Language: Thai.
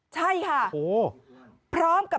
ใช่ค่ะ